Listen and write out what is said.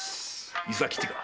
伊佐吉か？